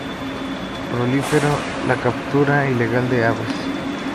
Proliferó la captura ilegal de aves.